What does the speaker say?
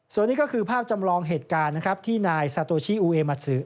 ส่วนนี้ก็คือภาพจำลองเหตุการณ์นะครับที่นายซาโตชิอูเอมัสซือ